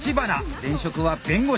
前職は弁護士。